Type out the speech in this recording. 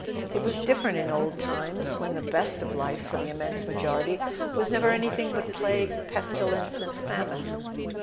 It was different in old times, when the best of life, for the immense majority, was never anything but plague, pestilence and famine.